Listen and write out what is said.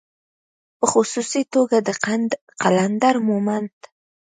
په خصوصي توګه د قلندر مومند